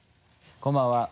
こんばんは。